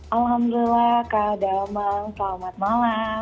alhamdulillah kak damai selamat malam